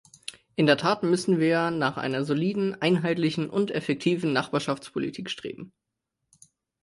In der Tat müssen wir nach einer soliden, einheitlichen und effektiven Nachbarschaftspolitik streben.